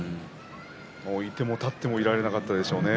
いても立ってもいられなかったでしょうね。